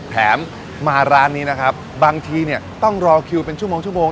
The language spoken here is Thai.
แถมมาร้านนี้นะครับบางทีเนี่ยต้องรอคิวเป็นชั่วโมงชั่วโมง